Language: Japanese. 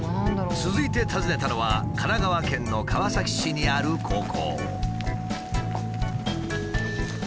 続いて訪ねたのは神奈川県の川崎市にある高校。